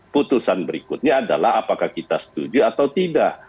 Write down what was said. putusan berikutnya adalah apakah kita setuju atau tidak